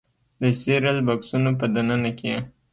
د سیریل بکسونو په دننه کې